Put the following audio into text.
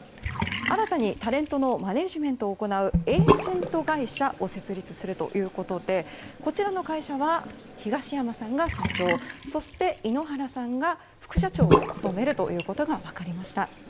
新たにタレントのマネジメントを行うエージェント会社を設立するということでこちらの会社は東山さんが社長そして井ノ原さんが副社長を務めるということが分かりました。